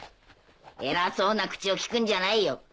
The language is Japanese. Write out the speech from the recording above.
えらそうな口をきくんじゃないよ。